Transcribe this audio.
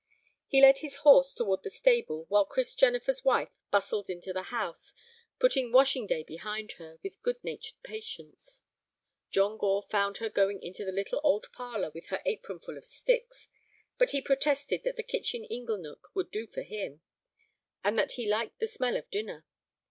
He led his horse toward the stable while Chris Jennifer's wife bustled into the house, putting washing day behind her with good natured patience. John Gore found her going into the little old parlor with an apron full of sticks, but he protested that the kitchen ingle nook would do for him, and that he liked the smell of dinner.